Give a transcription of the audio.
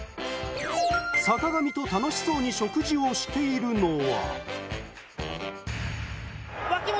坂上と楽しそうに食事をしているのは。